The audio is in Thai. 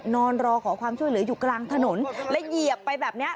นอนรอขอความช่วยเหลืออยู่กลางถนนและเหยียบไปแบบเนี้ย